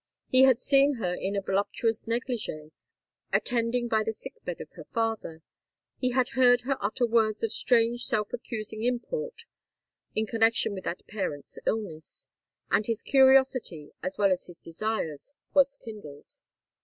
He had seen her in a voluptuous negligee, attending by the sick bed of her father;—he had heard her utter words of strange self accusing import, in connection with that parent's illness;—and his curiosity, as well as his desires, was kindled.